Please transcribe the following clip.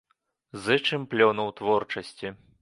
Зычым плёну ў творчасці.